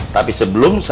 tapi sebelum kamu keluar